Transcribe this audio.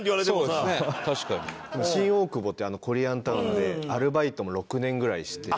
でも新大久保っていうコリアンタウンでアルバイトも６年ぐらいして。